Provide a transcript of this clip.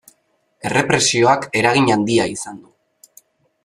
Errepresioak eragin handia izan du.